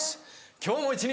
今日も一日